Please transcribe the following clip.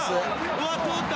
うわあ通った。